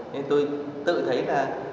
nên tôi tự thấy là